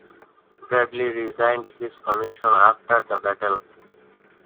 Bradley resigned his commission after the battle.